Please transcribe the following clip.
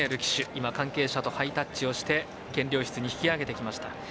今、関係者とハイタッチをして検量室に引き上げてきました。